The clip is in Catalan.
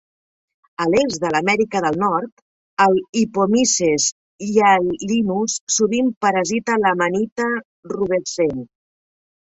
A l'est de l'Amèrica del Nord, el Hypomyces hyalinus sovint parasita l'Amanita rubescent.